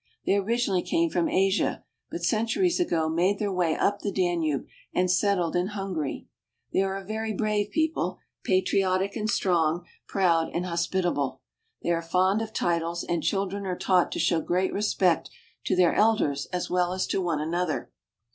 They originally came from Asia, but centuries ago made their way up the Danube, and settled in Hungary. They are a very brave people, patriotic and strong, proud and hospitable. They are fond of titles, and children are taught to show great respect to their elders as well as to one another.